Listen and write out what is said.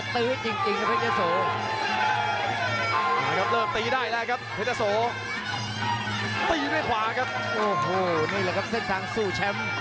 เทศโสเบียดถึงตัว